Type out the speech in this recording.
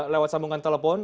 lewat sambungan telepon